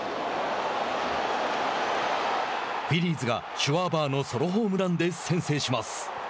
フィリーズがシュワーバーのソロホームランで先制します。